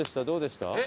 どうでした？